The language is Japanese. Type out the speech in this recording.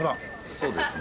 そうですね。